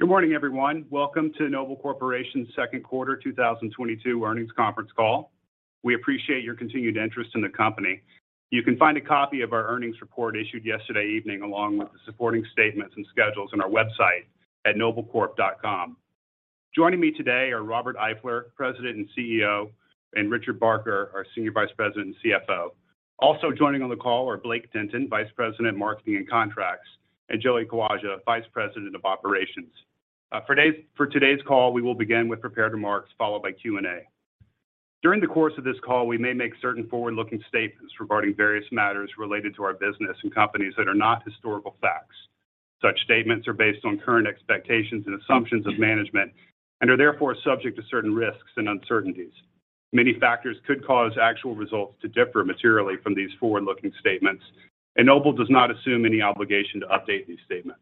Good morning, everyone. Welcome to Noble Corporation's Second Quarter 2022 Earnings Conference Call. We appreciate your continued interest in the company. You can find a copy of our earnings report issued yesterday evening, along with the supporting statements and schedules on our website at noblecorp.com. Joining me today are Robert Eifler, President and CEO, and Richard Barker, our Senior Vice President and CFO. Also joining on the call are Blake Denton, Vice President, Marketing, and Contracts, and Joey Kawaja, Vice President of Operations. For today's call, we will begin with prepared remarks followed by Q&A. During the course of this call, we may make certain forward-looking statements regarding various matters related to our business and companies that are not historical facts. Such statements are based on current expectations and assumptions of management and are therefore subject to certain risks and uncertainties. Many factors could cause actual results to differ materially from these forward-looking statements, and Noble does not assume any obligation to update these statements.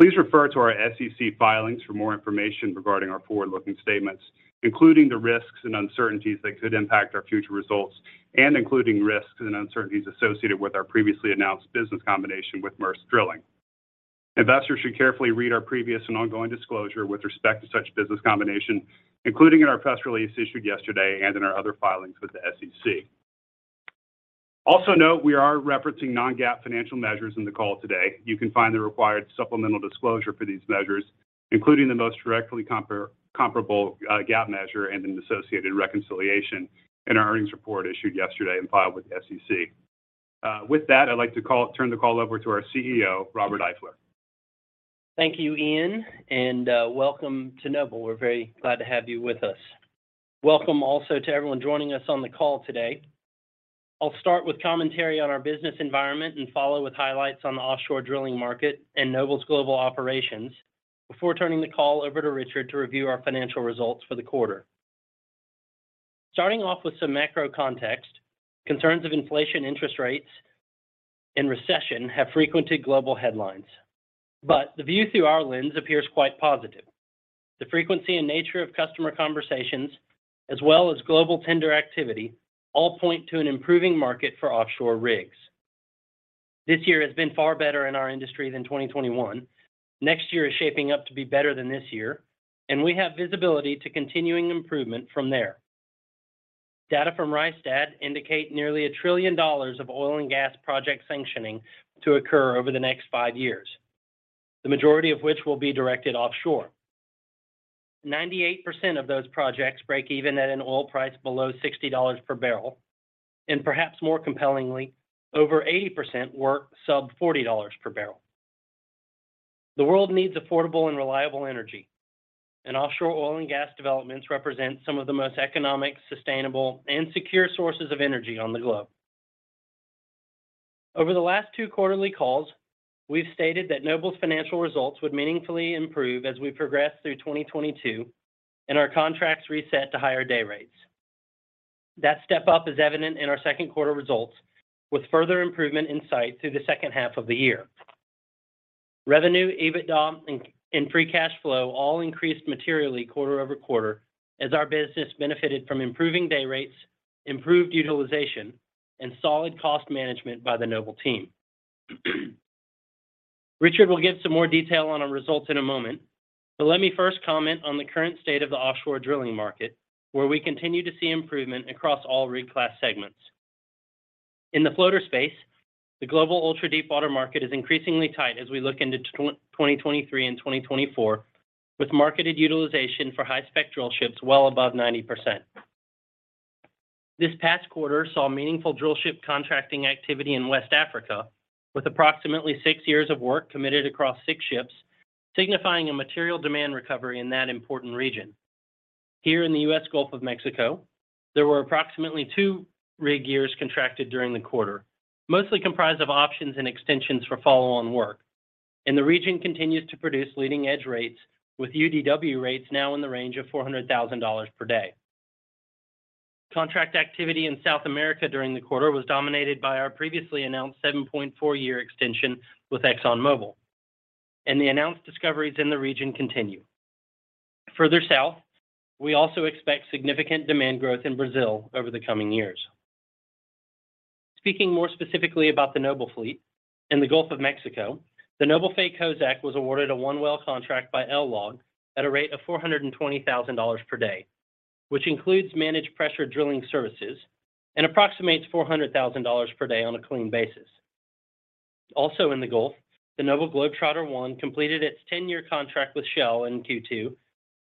Please refer to our SEC filings for more information regarding our forward-looking statements, including the risks and uncertainties that could impact our future results, and including risks and uncertainties associated with our previously announced business combination with Maersk Drilling. Investors should carefully read our previous and ongoing disclosure with respect to such business combination, including in our press release issued yesterday and in our other filings with the SEC. Also note, we are referencing non-GAAP financial measures in the call today. You can find the required supplemental disclosure for these measures, including the most directly comparable GAAP measure and an associated reconciliation in our earnings report issued yesterday and filed with the SEC. With that, I'd like to turn the call over to our CEO, Robert Eifler. Thank you, Ian, and welcome to Noble. We're very glad to have you with us. Welcome also to everyone joining us on the call today. I'll start with commentary on our business environment and follow with highlights on the offshore drilling market and Noble's global operations before turning the call over to Richard to review our financial results for the quarter. Starting off with some macro context, concerns of inflation, interest rates, and recession have frequented global headlines. The view through our lens appears quite positive. The frequency and nature of customer conversations, as well as global tender activity, all point to an improving market for offshore rigs. This year has been far better in our industry than 2021. Next year is shaping up to be better than this year, and we have visibility to continuing improvement from there. Data from Rystad indicate nearly $1 trillion of oil and gas project sanctioning to occur over the next five years, the majority of which will be directed offshore. 98% of those projects break even at an oil price below $60 per barrel, and perhaps more compellingly, over 80% work sub $40 per barrel. The world needs affordable and reliable energy, and offshore oil and gas developments represent some of the most economic, sustainable, and secure sources of energy on the globe. Over the last two quarterly calls, we've stated that Noble's financial results would meaningfully improve as we progress through 2022 and our contracts reset to higher day rates. That step-up is evident in our second quarter results, with further improvement in sight through the second half of the year. Revenue, EBITDA, and free cash flow all increased materially quarter-over-quarter as our business benefited from improving day rates, improved utilization, and solid cost management by the Noble team. Richard will give some more detail on our results in a moment. Let me first comment on the current state of the offshore drilling market, where we continue to see improvement across all rig class segments. In the floater space, the global ultra-deepwater market is increasingly tight as we look into 2023 and 2024, with marketed utilization for high-spec drillships well above 90%. This past quarter saw meaningful drillship contracting activity in West Africa, with approximately six years of work committed across six ships, signifying a material demand recovery in that important region. Here in the U.S. Gulf of Mexico, there were approximately two rig years contracted during the quarter, mostly comprised of options and extensions for follow-on work. The region continues to produce leading-edge rates, with UDW rates now in the range of $400,000 per day. Contract activity in South America during the quarter was dominated by our previously announced 7.4-year extension with ExxonMobil, and the announced discoveries in the region continue. Further south, we also expect significant demand growth in Brazil over the coming years. Speaking more specifically about the Noble fleet, in the Gulf of Mexico, the Noble Faye Kozack was awarded a one-well contract by LLOG at a rate of $420,000 per day, which includes managed pressure drilling services and approximates $400,000 per day on a clean basis. Also in the Gulf, the Noble Globetrotter I completed its 10-year contract with Shell in Q2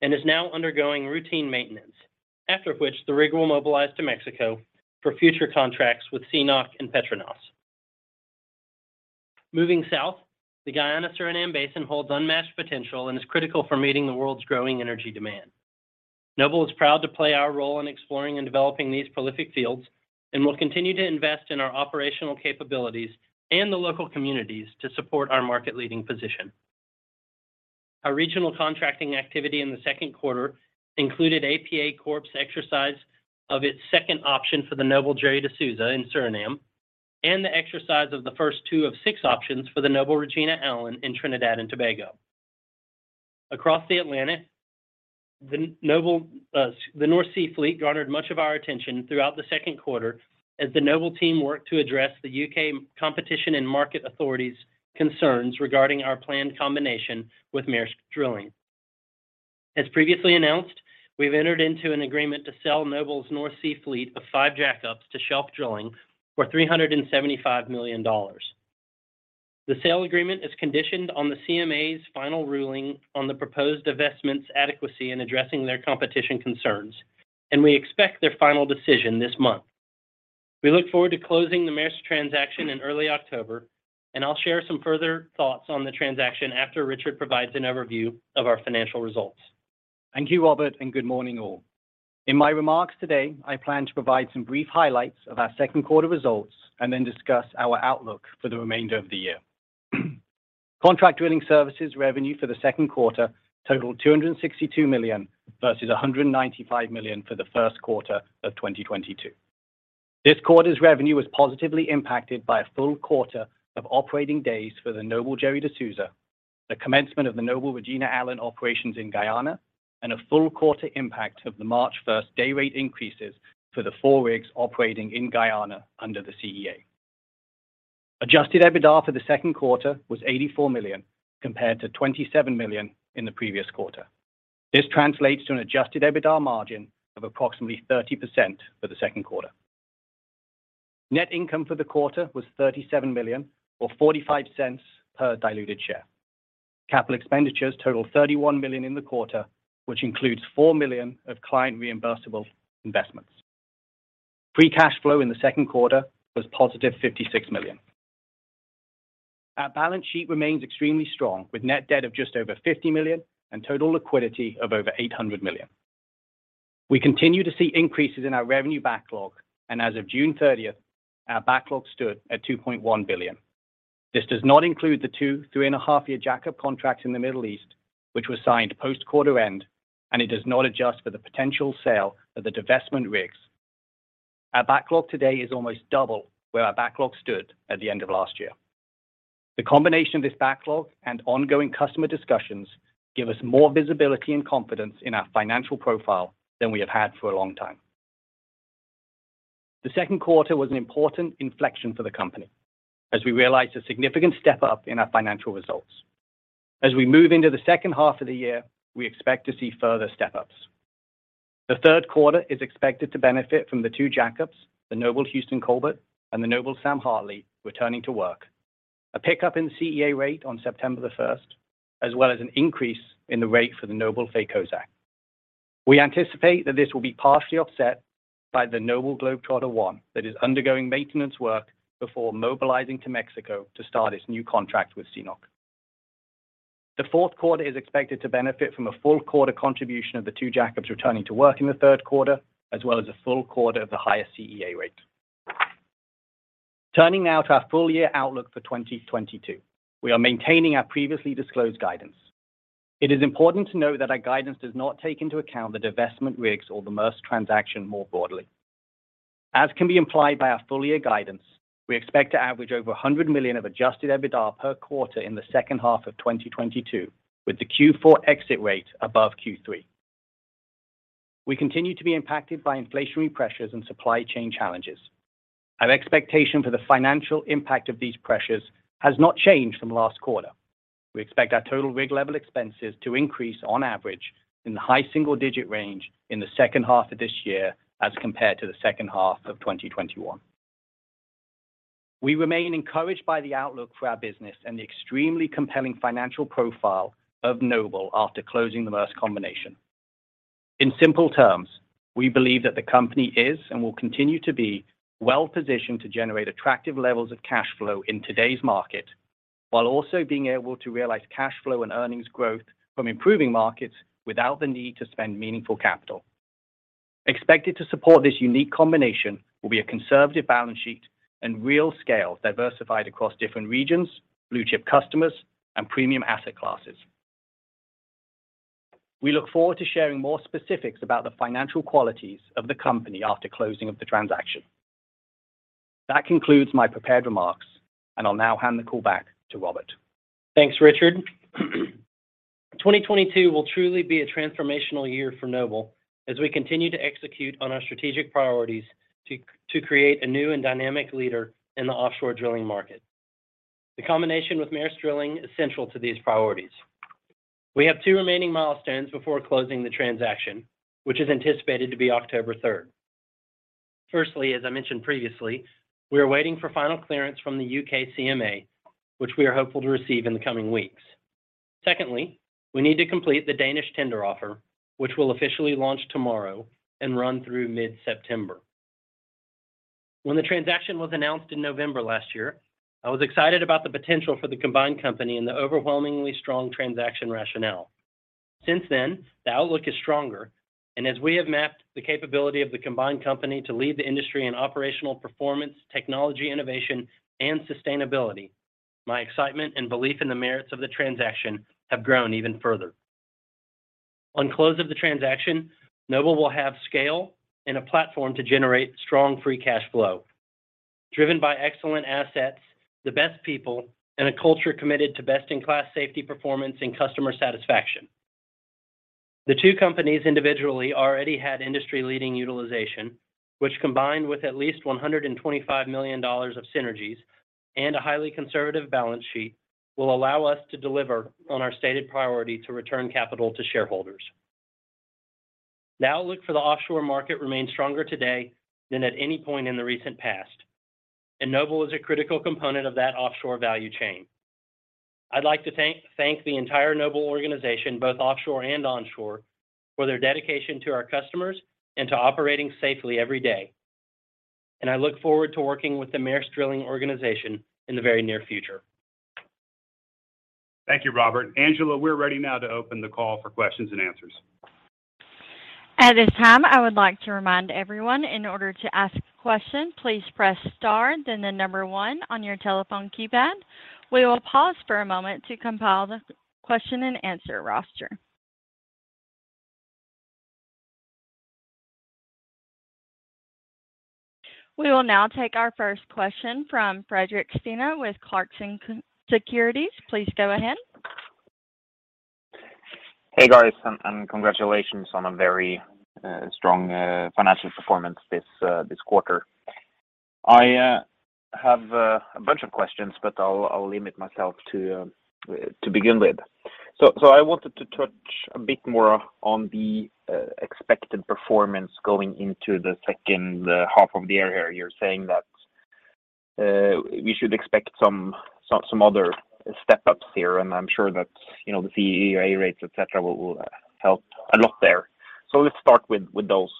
and is now undergoing routine maintenance, after which the rig will mobilize to Mexico for future contracts with CNOOC and Petronas. Moving south, the Guyana-Suriname Basin holds unmatched potential and is critical for meeting the world's growing energy demand. Noble is proud to play our role in exploring and developing these prolific fields and will continue to invest in our operational capabilities and the local communities to support our market-leading position. Our regional contracting activity in the second quarter included APA Corp's exercise of its second option for the Noble Gerry de Souza in Suriname and the exercise of the first two of six options for the Noble Regina Allen in Trinidad and Tobago. Across the Atlantic, the North Sea Fleet garnered much of our attention throughout the second quarter as the Noble team worked to address the U.K. Competition and Markets Authority's concerns regarding our planned combination with Maersk Drilling. As previously announced, we've entered into an agreement to sell Noble's North Sea fleet of five jackups to Shelf Drilling for $375 million. The sale agreement is conditioned on the CMA's final ruling on the proposed divestments' adequacy in addressing their competition concerns, and we expect their final decision this month. We look forward to closing the Maersk transaction in early October, and I'll share some further thoughts on the transaction after Richard provides an overview of our financial results. Thank you, Robert, and good morning all. In my remarks today, I plan to provide some brief highlights of our second quarter results and then discuss our outlook for the remainder of the year. Contract drilling services revenue for the second quarter totaled $262 million versus $195 million for the first quarter of 2022. This quarter's revenue was positively impacted by a full quarter of operating days for the Noble Gerry de Souza, the commencement of the Noble Regina Allen operations in Guyana, and a full quarter impact of the March first day rate increases for the four rigs operating in Guyana under the CEA. Adjusted EBITDA for the second quarter was $84 million, compared to $27 million in the previous quarter. This translates to an Adjusted EBITDA margin of approximately 30% for the second quarter. Net income for the quarter was $37 million or $0.45 per diluted share. Capital expenditures totaled $31 million in the quarter, which includes $4 million of client-reimbursable investments. Free cash flow in the second quarter was positive $56 million. Our balance sheet remains extremely strong, with net debt of just over $50 million and total liquidity of over $800 million. We continue to see increases in our revenue backlog, and as of June 30, our backlog stood at $2.1 billion. This does not include the two 3.5-year jackup contracts in the Middle East, which were signed post quarter end, and it does not adjust for the potential sale of the divestment rigs. Our backlog today is almost double where our backlog stood at the end of last year. The combination of this backlog and ongoing customer discussions give us more visibility and confidence in our financial profile than we have had for a long time. The second quarter was an important inflection for the company as we realized a significant step up in our financial results. As we move into the second half of the year, we expect to see further step-ups. The third quarter is expected to benefit from the two jackups, the Noble Houston Colbert and the Noble Sam Hartley, returning to work, a pickup in CEA rate on September the first, as well as an increase in the rate for the Noble Faye Kozack. We anticipate that this will be partially offset by the Noble Globetrotter 1 that is undergoing maintenance work before mobilizing to Mexico to start its new contract with CNOOC. The fourth quarter is expected to benefit from a full quarter contribution of the two jackups returning to work in the third quarter, as well as a full quarter of the higher CEA rate. Turning now to our full-year outlook for 2022. We are maintaining our previously disclosed guidance. It is important to note that our guidance does not take into account the divestment rigs or the Maersk transaction more broadly. As can be implied by our full-year guidance, we expect to average over $100 million of Adjusted EBITDA per quarter in the second half of 2022, with the Q4 exit rate above Q3. We continue to be impacted by inflationary pressures and supply chain challenges. Our expectation for the financial impact of these pressures has not changed from last quarter. We expect our total rig-level expenses to increase on average in the high single-digit range in the second half of this year as compared to the second half of 2021. We remain encouraged by the outlook for our business and the extremely compelling financial profile of Noble after closing the Maersk combination. In simple terms, we believe that the company is and will continue to be well-positioned to generate attractive levels of cash flow in today's market while also being able to realize cash flow and earnings growth from improving markets without the need to spend meaningful capital. Expected to support this unique combination will be a conservative balance sheet and real scale diversified across different regions, blue-chip customers, and premium asset classes. We look forward to sharing more specifics about the financial qualities of the company after closing of the transaction. That concludes my prepared remarks, and I'll now hand the call back to Robert. Thanks, Richard. 2022 will truly be a transformational year for Noble as we continue to execute on our strategic priorities to create a new and dynamic leader in the offshore drilling market. The combination with Maersk Drilling is central to these priorities. We have two remaining milestones before closing the transaction, which is anticipated to be October third. Firstly, as I mentioned previously, we are waiting for final clearance from the U.K. CMA, which we are hopeful to receive in the coming weeks. Secondly, we need to complete the Danish tender offer, which will officially launch tomorrow and run through mid-September. When the transaction was announced in November last year, I was excited about the potential for the combined company and the overwhelmingly strong transaction rationale. Since then, the outlook is stronger, and as we have mapped the capability of the combined company to lead the industry in operational performance, technology innovation, and sustainability, my excitement and belief in the merits of the transaction have grown even further. On close of the transaction, Noble will have scale and a platform to generate strong free cash flow. Driven by excellent assets, the best people, and a culture committed to best-in-class safety performance and customer satisfaction. The two companies individually already had industry-leading utilization, which combined with at least $125 million of synergies and a highly conservative balance sheet, will allow us to deliver on our stated priority to return capital to shareholders. The outlook for the offshore market remains stronger today than at any point in the recent past, and Noble is a critical component of that offshore value chain. I'd like to thank the entire Noble organization, both offshore and onshore, for their dedication to our customers and to operating safely every day. I look forward to working with the Maersk Drilling organization in the very near future. Thank you, Robert. Angela, we're ready now to open the call for questions and answers. At this time, I would like to remind everyone in order to ask a question, please press star then the number one on your telephone keypad. We will pause for a moment to compile the question-and-answer roster. We will now take our first question from Fredrik Stene with Clarksons Securities. Please go ahead. Hey, guys, congratulations on a very strong financial performance this quarter. I have a bunch of questions, but I'll limit myself to begin with. I wanted to touch a bit more on the expected performance going into the second half of the year. You're saying that we should expect some other step-ups here, and I'm sure that, you know, the day rates, et cetera, will help a lot there. Let's start with those.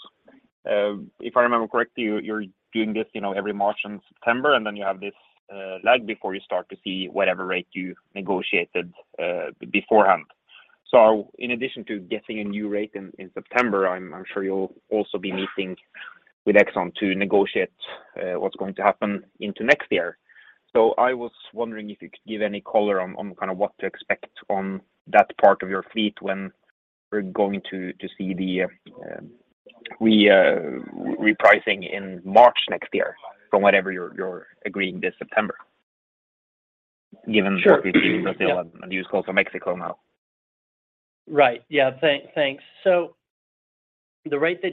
If I remember correctly, you're doing this, you know, every March and September, and then you have this lag before you start to see whatever rate you negotiated beforehand. In addition to getting a new rate in September, I'm sure you'll also be meeting with Exxon to negotiate what's going to happen into next year. I was wondering if you could give any color on kind of what to expect on that part of your fleet when we're going to see the repricing in March next year from whatever you're agreeing this September. Given Sure. Yeah. What we've seen in Brazil and also Mexico now. Thanks.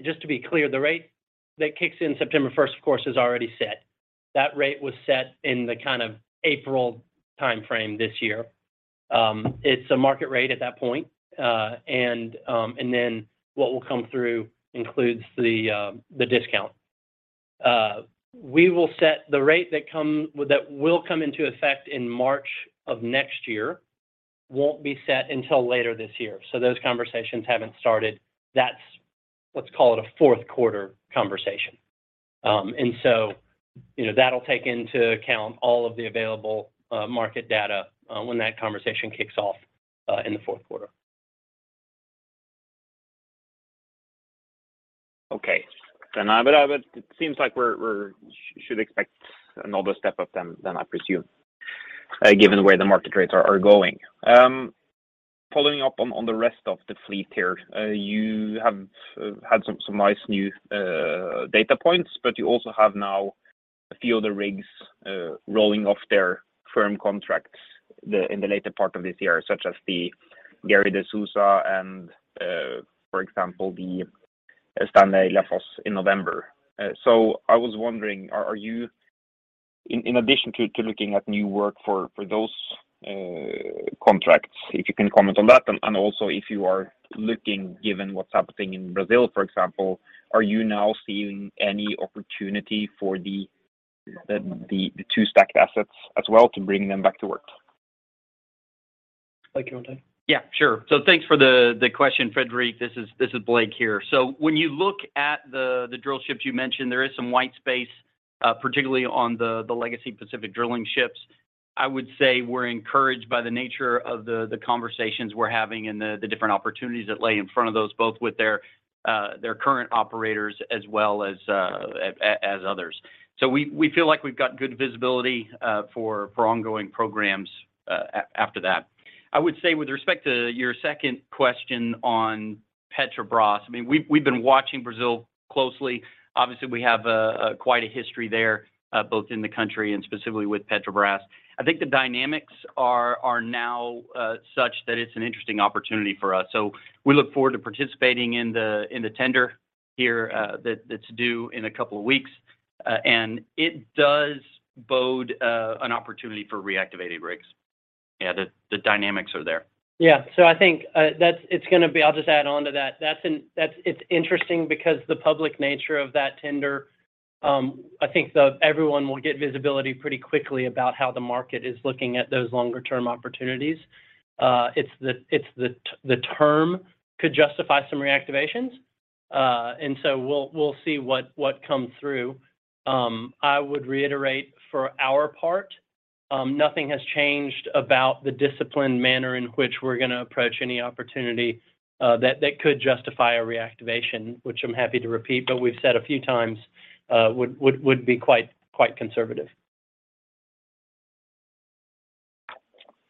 Just to be clear, the rate that kicks in September first, of course, is already set. That rate was set in the kind of April timeframe this year. It's a market rate at that point. What will come through includes the discount. We will set the rate that will come into effect in March of next year won't be set until later this year. Those conversations haven't started. That's, let's call it, a fourth quarter conversation. You know, that'll take into account all of the available market data when that conversation kicks off in the fourth quarter. Okay. It seems like we should expect another step up then, I presume, given where the market rates are going. Following up on the rest of the fleet here. You have had some nice new data points, but you also have now a few of the rigs rolling off their firm contracts in the later part of this year, such as the Noble Gerry de Souza and, for example, the Noble Stanley Lafosse in November. I was wondering, are you, in addition to looking at new work for those contracts, if you can comment on that and also if you are looking, given what's happening in Brazil, for example, are you now seeing any opportunity for the two stacked assets as well to bring them back to work? Blake, you want to? Yeah, sure. Thanks for the question, Fredrik. This is Blake here. When you look at the drillships you mentioned, there is some white space, particularly on the legacy Pacific Drilling ships. I would say we're encouraged by the nature of the conversations we're having and the different opportunities that lay in front of those, both with their current operators as well as others. We feel like we've got good visibility for ongoing programs after that. I would say with respect to your second question on Petrobras, I mean, we've been watching Brazil closely. Obviously, we have quite a history there, both in the country and specifically with Petrobras. I think the dynamics are now such that it's an interesting opportunity for us. We look forward to participating in the tender here that's due in a couple of weeks. It does bode an opportunity for reactivating rigs. Yeah, the dynamics are there. I think it's gonna be. I'll just add on to that. That's interesting because the public nature of that tender. I think everyone will get visibility pretty quickly about how the market is looking at those longer term opportunities. The term could justify some reactivations. We'll see what comes through. I would reiterate for our part, nothing has changed about the disciplined manner in which we're gonna approach any opportunity that could justify a reactivation, which I'm happy to repeat, but we've said a few times, would be quite conservative.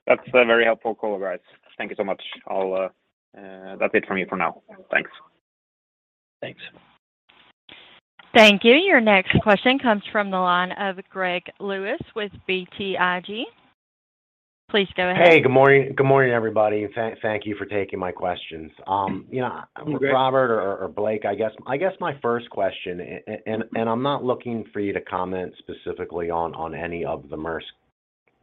That's very helpful color guidance. Thank you so much. That's it from me for now. Thanks. Thanks. Thank you. Your next question comes from the line of Greg Lewis with BTIG. Please go ahead. Hey, good morning. Good morning, everybody. Thank you for taking my questions. Yeah. Hey, Greg. Robert or Blake, I guess my first question, and I'm not looking for you to comment specifically on any of the Maersk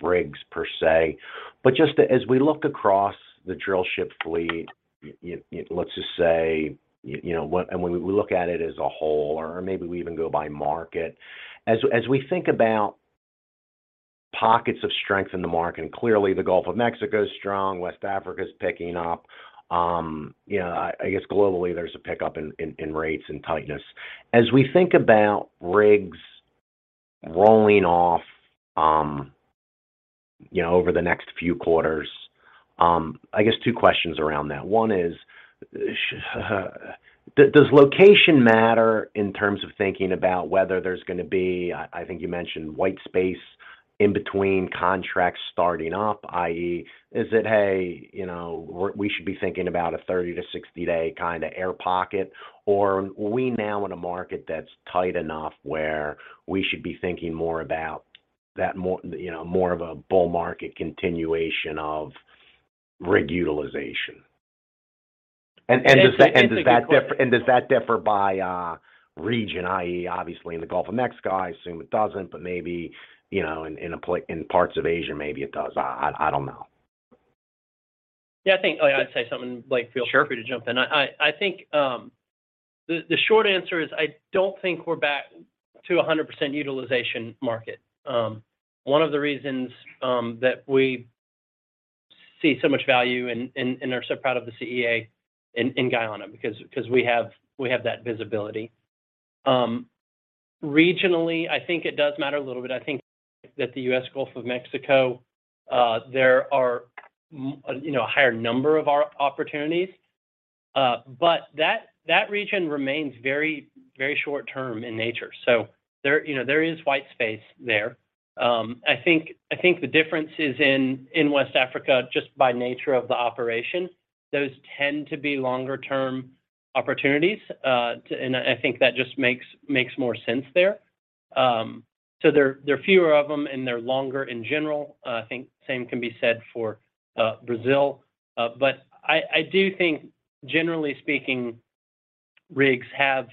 rigs per se, but just as we look across the drillship fleet, let's just say, you know, when we look at it as a whole or maybe we even go by market. As we think about pockets of strength in the market, and clearly the Gulf of Mexico is strong, West Africa is picking up. You know, I guess globally there's a pickup in rates and tightness. As we think about rigs rolling off, you know, over the next few quarters, I guess two questions around that. One is, does location matter in terms of thinking about whether there's gonna be, I think you mentioned white space in between contracts starting up, i.e. is it, hey, you know, we should be thinking about a 30-60 day kinda air pocket, or are we now in a market that's tight enough where we should be thinking more about that, you know, more of a bull market continuation of rig utilization? Does that differ by region, i.e. obviously in the Gulf of Mexico, I assume it doesn't, but maybe, you know, in parts of Asia, maybe it does. I don't know. Yeah, I think I'd say something, Blake. Sure. Feel free to jump in. I think the short answer is I don't think we're back to 100% utilization market. One of the reasons that we see so much value and are so proud of the CEA in Guyana because we have that visibility. Regionally, I think it does matter a little bit. I think that the U.S. Gulf of Mexico, there are a higher number of our opportunities, but that region remains very short term in nature. There is white space there. I think the difference is in West Africa, just by nature of the operation, those tend to be longer term opportunities, and I think that just makes more sense there. There are fewer of them, and they're longer in general. I think the same can be said for Brazil. I do think generally speaking, rigs have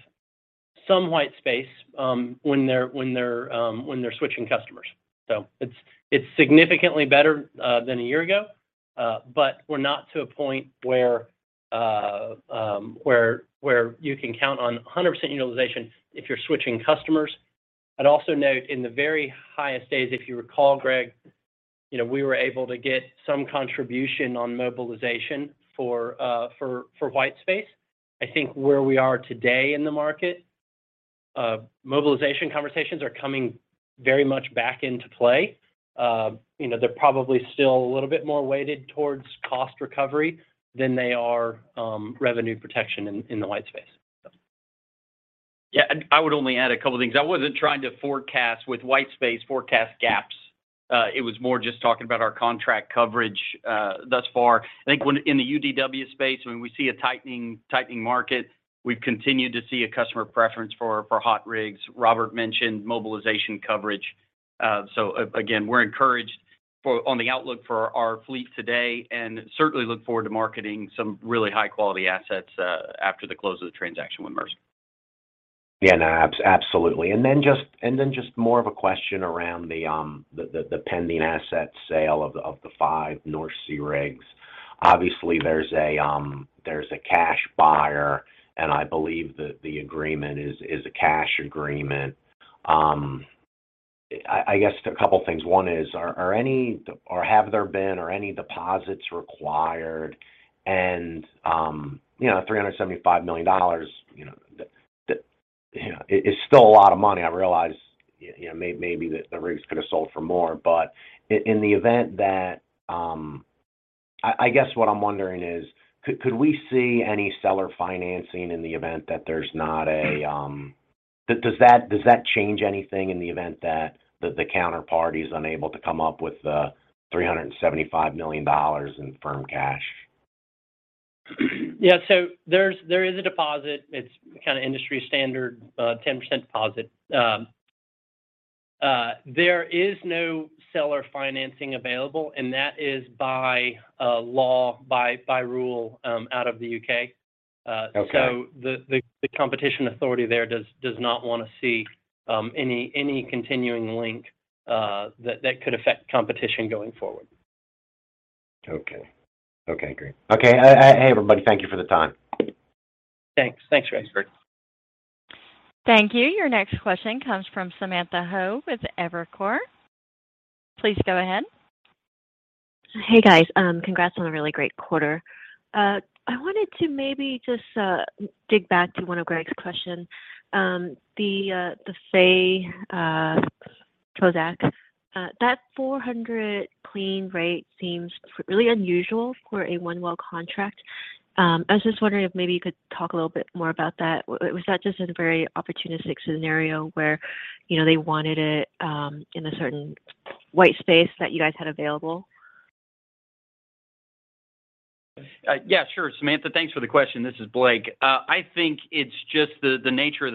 some white space when they're switching customers. It's significantly better than a year ago, but we're not to a point where you can count on 100% utilization if you're switching customers. I'd also note in the very highest days, if you recall, Greg, you know, we were able to get some contribution on mobilization for white space. I think where we are today in the market, mobilization conversations are coming very much back into play. You know, they're probably still a little bit more weighted towards cost recovery than they are, revenue protection in the white space. Yeah. I would only add a couple of things. I wasn't trying to forecast with white space forecast gaps. It was more just talking about our contract coverage thus far. I think when in the UDW space, when we see a tightening market, we've continued to see a customer preference for hot rigs. Robert mentioned mobilization coverage. So again, we're encouraged on the outlook for our fleet today and certainly look forward to marketing some really high quality assets after the close of the transaction with Maersk. Yeah. No, absolutely. Then just more of a question around the pending asset sale of the five North Sea rigs. Obviously, there's a cash buyer, and I believe that the agreement is a cash agreement. I guess a couple of things. One is, are any or have there been any deposits required? You know, $375 million, you know, that is still a lot of money. I realize, you know, maybe the rigs could have sold for more. In the event that I guess what I'm wondering is could we see any seller financing in the event that there's not a. Does that change anything in the event that the counterparty is unable to come up with $375 million in firm cash? Yeah. There is a deposit. It's kinda industry standard, 10% deposit. There is no seller financing available, and that is by law, by rule, out of the U.K. Okay. The competition authority there does not wanna see any continuing link that could affect competition going forward. Okay, great. Hey, everybody. Thank you for the time. Thanks. Thanks, Greg. Thanks. Thank you. Your next question comes from Samantha Hoh with Evercore. Please go ahead. Hey, guys. Congrats on a really great quarter. I wanted to maybe just dig back to one of Greg's questions. The Faye Kozack, that $400 clean rate seems really unusual for a one well contract. I was just wondering if maybe you could talk a little bit more about that. Was that just a very opportunistic scenario where, you know, they wanted it in a certain white space that you guys had available? Yeah, sure, Samantha. Thanks for the question. This is Blake. I think it's just the nature of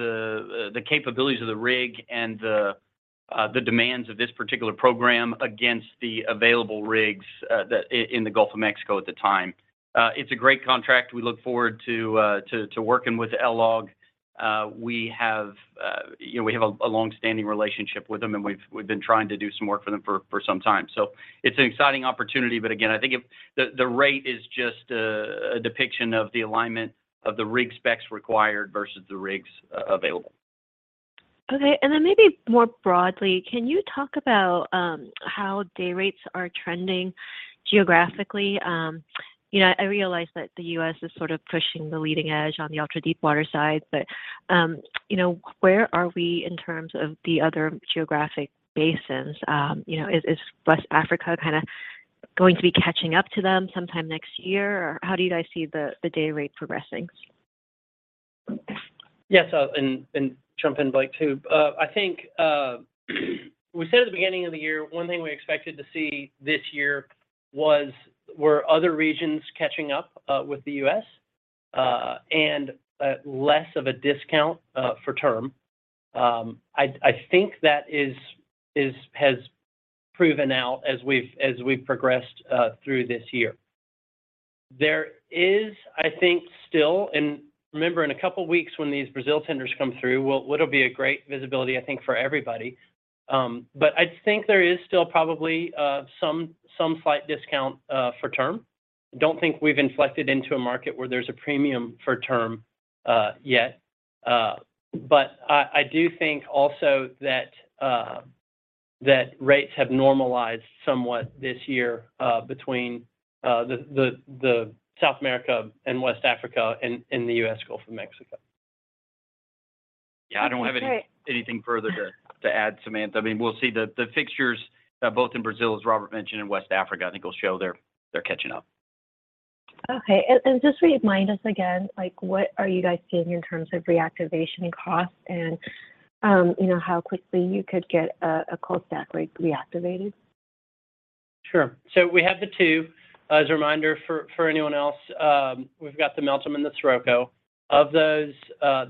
the capabilities of the rig and the demands of this particular program against the available rigs that in the Gulf of Mexico at the time. It's a great contract. We look forward to working with LLOG. We have, you know, we have a long-standing relationship with them and we've been trying to do some work for them for some time. It's an exciting opportunity. Again, I think the rate is just a depiction of the alignment of the rig specs required versus the rigs available. Okay. Maybe more broadly, can you talk about how day rates are trending geographically? You know, I realize that the U.S. is sort of pushing the leading edge on the ultra-deepwater side, but you know, where are we in terms of the other geographic basins? You know, is West Africa kinda going to be catching up to them sometime next year, or how do you guys see the day rate progressing? Yes, jump in, Blake, too. I think we said at the beginning of the year, one thing we expected to see this year were other regions catching up with the U.S. and less of a discount for term. I think that has proven out as we've progressed through this year. Remember, in a couple of weeks when these Brazil tenders come through, it'll be a great visibility, I think, for everybody. I think there is still probably some slight discount for term. Don't think we've inflected into a market where there's a premium for term yet. I do think also that rates have normalized somewhat this year between South America and West Africa and the U.S. Gulf of Mexico. Yeah, I don't have any. Okay Anything further to add, Samantha. I mean, we'll see the fixtures both in Brazil, as Robert mentioned, and West Africa. I think will show they're catching up. Okay. Just remind us again, like, what are you guys seeing in terms of reactivation costs and, you know, how quickly you could get a cold stack rig reactivated? Sure. We have the two. As a reminder for anyone else, we've got the Meltem and the Scirocco. Of those,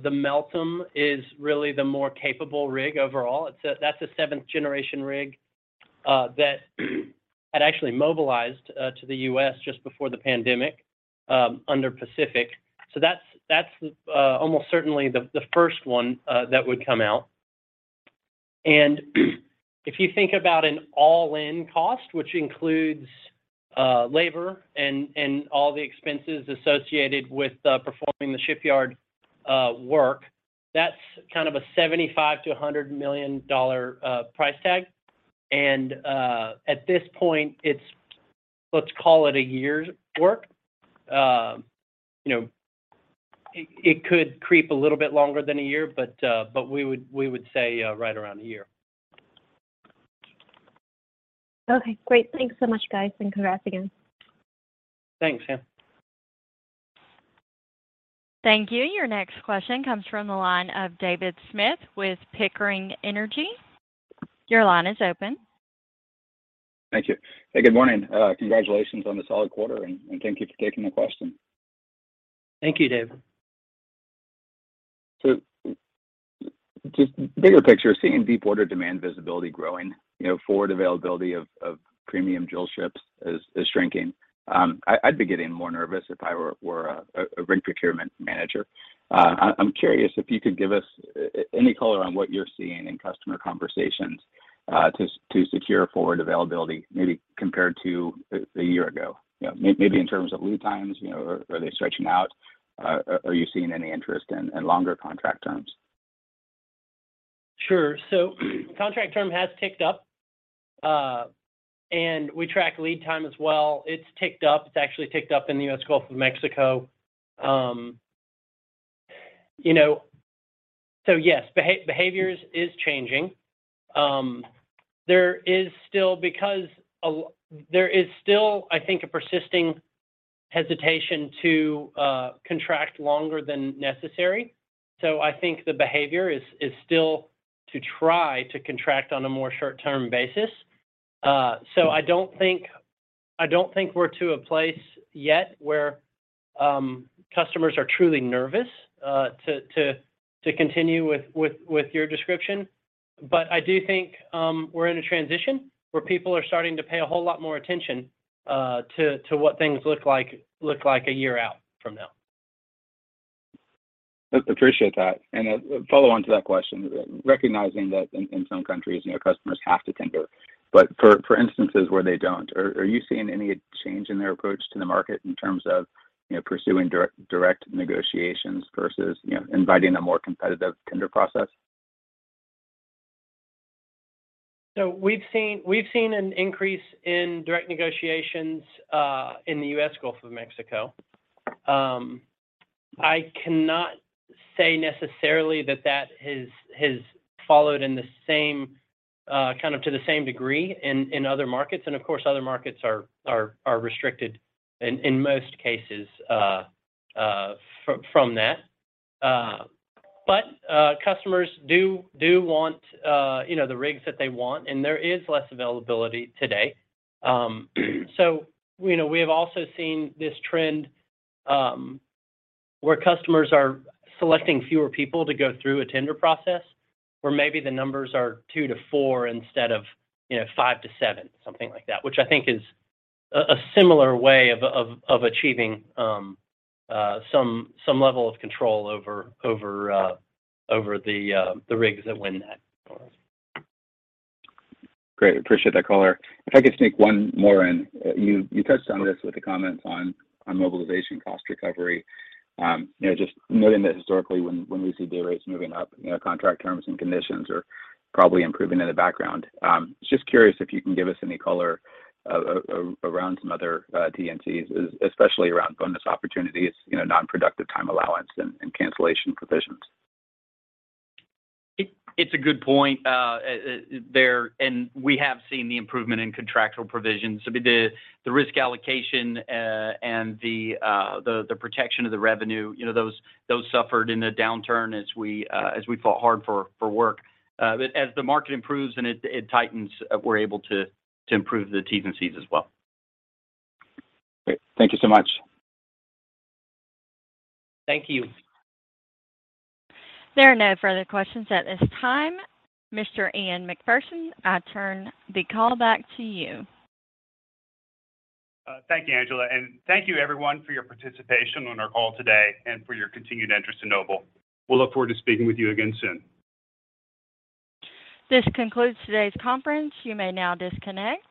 the Meltem is really the more capable rig overall. That's a seventh generation rig that had actually mobilized to the U.S. just before the pandemic under Pacific. That's almost certainly the first one that would come out. If you think about an all-in cost, which includes labor and all the expenses associated with performing the shipyard work, that's kind of a $75 million-$100 million price tag. At this point, it's, let's call it a year's work. You know, it could creep a little bit longer than a year, but we would say right around a year. Okay, great. Thanks so much, guys, and congrats again. Thanks. Yeah. Thank you. Your next question comes from the line of David Smith with Pickering Energy Partners. Your line is open. Thank you. Hey, good morning. Congratulations on the solid quarter, and thank you for taking the question. Thank you, David. Just bigger picture, seeing deepwater demand visibility growing, you know, forward availability of premium drill ships is shrinking. I'd be getting more nervous if I were a rig procurement manager. I'm curious if you could give us any color on what you're seeing in customer conversations to secure forward availability maybe compared to a year ago. You know, maybe in terms of lead times, you know, are they stretching out? Are you seeing any interest in longer contract terms? Sure. Contract term has ticked up, and we track lead time as well. It's ticked up. It's actually ticked up in the U.S. Gulf of Mexico. You know, yes, behavior is changing. There is still, I think, a persisting hesitation to contract longer than necessary. I think the behavior is still to try to contract on a more short-term basis. I don't think we're to a place yet where customers are truly nervous to continue with your description. I do think we're in a transition where people are starting to pay a whole lot more attention to what things look like a year out from now. Appreciate that. A follow-on to that question, recognizing that in some countries, you know, customers have to tender, but for instances where they don't, are you seeing any change in their approach to the market in terms of, you know, pursuing direct negotiations versus, you know, inviting a more competitive tender process? We've seen an increase in direct negotiations in the U.S. Gulf of Mexico. I cannot say necessarily that has followed in the same kind of to the same degree in other markets. Of course, other markets are restricted in most cases from that. Customers do want, you know, the rigs that they want, and there is less availability today. You know, we have also seen this trend where customers are selecting fewer people to go through a tender process, where maybe the numbers are two to four instead of, you know, five to seven, something like that, which I think is a similar way of achieving some level of control over the rigs that win that. Great. Appreciate that color. If I could sneak one more in. You touched on this with the comments on mobilization cost recovery. You know, just noting that historically, when we see day rates moving up, you know, contract terms and conditions are probably improving in the background. Just curious if you can give us any color around some other T&Cs, especially around bonus opportunities, you know, non-productive time allowance and cancellation provisions. It's a good point. We have seen the improvement in contractual provisions. I mean, the risk allocation and the protection of the revenue, you know, those suffered in the downturn as we fought hard for work. As the market improves and it tightens, we're able to improve the T&Cs as well. Great. Thank you so much. Thank you. There are no further questions at this time. Mr. Ian MacPherson, I turn the call back to you. Thank you, Angela, and thank you everyone for your participation on our call today and for your continued interest in Noble. We'll look forward to speaking with you again soon. This concludes today's conference. You may now disconnect.